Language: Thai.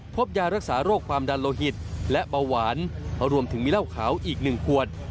พบยารักษาโรคความดันโลหิตและเบาหวานรวมถึงมีเหล้าขาวอีก๑ขวด